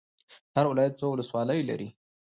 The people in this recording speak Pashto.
هر ولایت څو ولسوالۍ لري؟